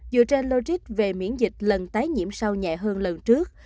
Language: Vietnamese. dựa trên logic về miễn dịch lần tái nhiễm sau nhẹ hơn lần trước